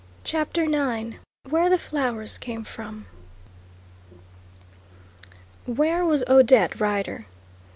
CHAPTER IX WHERE THE FLOWERS CAME FROM Where was Odette Rider?